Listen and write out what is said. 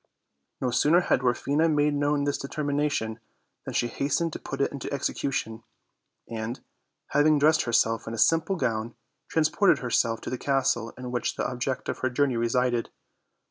No sooner had Dwarfina made known this determination than she hastened to put it into execution; and, having dressed herself in a simple gown, transported herself to the castle in which the ob ject of her journey resided.